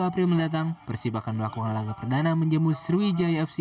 dua puluh april mendatang persib akan melakukan laga perdana menjemus sriwijaya fc